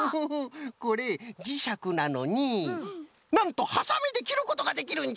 これじしゃくなのになんとはさみできることができるんじゃ！